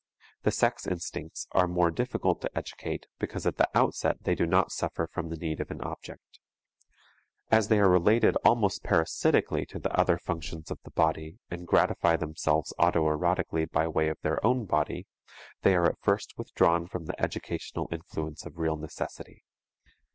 The sex instincts are more difficult to educate because at the outset they do not suffer from the need of an object. As they are related almost parasitically to the other functions of the body and gratify themselves auto erotically by way of their own body, they are at first withdrawn from the educational influence of real necessity.